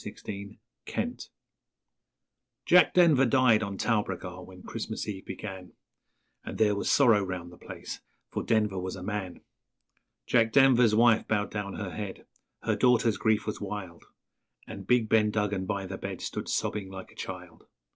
Ben Duggan Jack Denver died on Talbragar when Christmas Eve began, And there was sorrow round the place, for Denver was a man; Jack Denver's wife bowed down her head her daughter's grief was wild, And big Ben Duggan by the bed stood sobbing like a child.